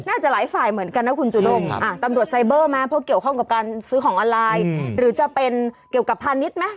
หลายฝ่ายเหมือนกันนะคุณจูด้งตำรวจไซเบอร์ไหมเพราะเกี่ยวข้องกับการซื้อของออนไลน์หรือจะเป็นเกี่ยวกับพาณิชย์ไหม